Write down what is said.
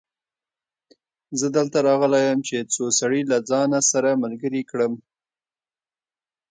زه دلته راغلی يم چې څو سړي له ځانه سره ملګري کړم.